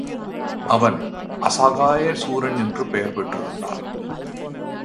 அவன் அசகாய சூரன் என்று பெயர் பெற்றிருந்தான்.